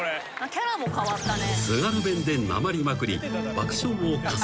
キャラも変わったね。